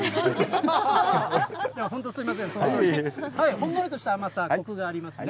ほんのりとした甘さ、こくがありますね。